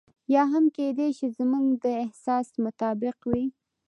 یا هم کېدای شي زموږ د احساس مطابق وي.